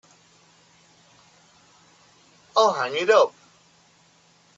I'll hang it up.